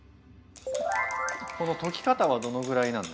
この溶き方はどのぐらいなんですか？